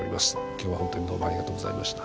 今日はほんとにどうもありがとうございました。